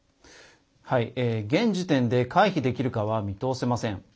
現時点で回避できるかは見通せません。